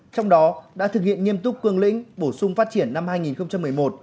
trong đó đã thực hiện nghiêm túc cương lĩnh bổ sung phát triển năm hai nghìn một mươi một